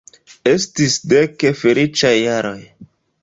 Estis dek feliĉaj jaroj.